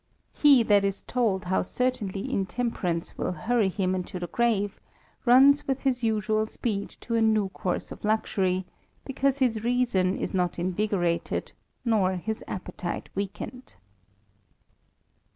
He that is tolcS how certainly intemperance will hurry him to the graven runs with his usual speed to a new course of luxury, because his reason is not invigorated, nor his appetite weakened.